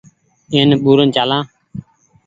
اين ٻورين چآلآن ۔